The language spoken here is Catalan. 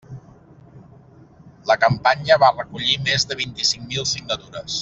La campanya va recollir més de vint-i-cinc mil signatures.